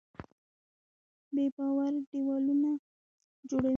بېباوري دیوالونه جوړوي.